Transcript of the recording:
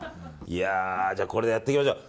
これでやっていきましょう。